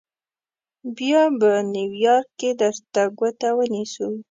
بیا به نیویارک کې درته کوټه ونیسو.